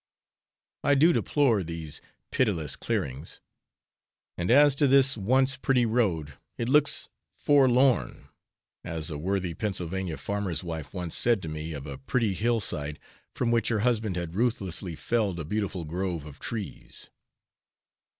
I do deplore these pitiless clearings; and as to this once pretty road, it looks 'forlorn,' as a worthy Pennsylvania farmer's wife once said to me of a pretty hill side from which her husband had ruthlessly felled a beautiful grove of trees.